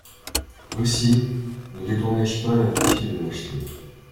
Aussi, ne détourné-je pas la petite de l’acheter!